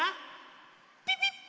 ピピッ！